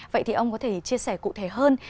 vậy thì ông có thể chia sẻ cụ thể hơn